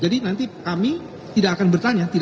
jadi nanti kami tidak akan bertanya